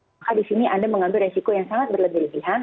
maka di sini anda mengambil resiko yang sangat berlebihan